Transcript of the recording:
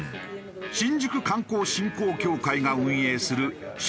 新宿観光振興協会が運営する新宿観光案内所。